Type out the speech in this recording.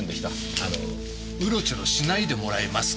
あのウロチョロしないでもらえますか？